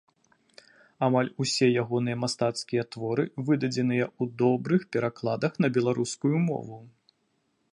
Амаль усе ягоныя мастацкія творы выдадзеныя ў добрых перакладах на беларускую мову.